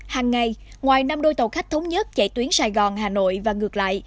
hàng ngày ngoài năm đôi tàu khách thống nhất chạy tuyến sài gòn hà nội và ngược lại